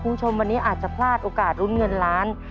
คุณผู้ชมวันนี้อาจจะพลาดโอกาสลุ้นเงินล้าน